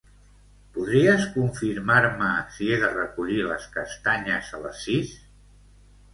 Podries confirmar-me si he de recollir les castanyes a les sis?